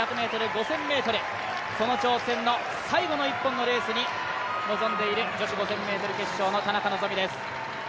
その挑戦の最後の１本のレースに臨んでいる女子５０００ｍ決勝の田中希実です。